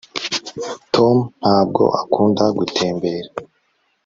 tom ntabwo akunda gutembera